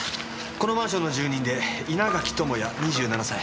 このマンションの住人で稲垣智也２７歳。